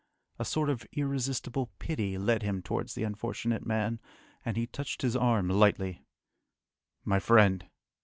A sort of irresistible pity led him towards the unfortunate man, and he touched his arm lightly. "My friend!"